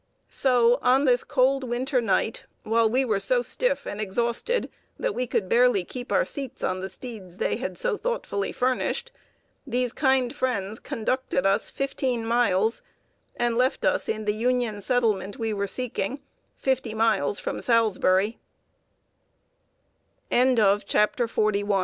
] So, on this cold winter night, while we were so stiff and exhausted that we could barely keep our seats on the steeds they had so thoughtfully furnished, these kind friends conducted us fifteen miles, and left us in the Union settlement we were seeking, fifty miles fr